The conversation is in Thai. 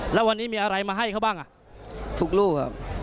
แล้ววันนี้มีอะไรมาให้เขาบ้างทุกลูก